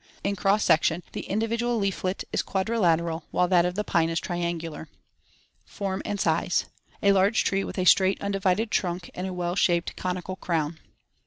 In cross section, the individual leaflet is quadrilateral, while that of the pine is triangular. Form and size: A large tree with a straight, undivided trunk and a well shaped, conical crown (Fig.